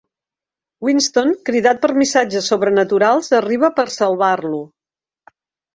Winston, cridat per missatges sobrenaturals, arriba per salvar-lo.